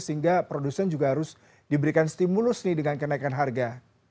sehingga produsen juga harus diberikan stimulus nih dengan kenaikan harga